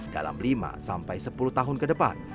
dalam lima sampai sepuluh tahun kedepan